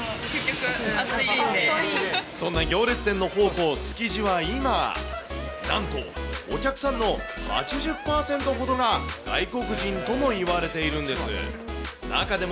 そんな行列店の宝庫、築地は今、なんとお客さんの８０％ほどが外国人とも言われているんです。